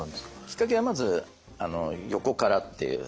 きっかけはまず横からっていう。